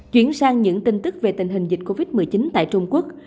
chuyển sang những tin tức về tình hình dịch covid một mươi chín tại trung quốc